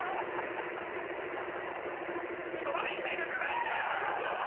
ちょっと何言ってんですかね！？